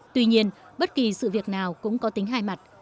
tuy nhiên bất kỳ sự việc nào cũng có tính hai mặt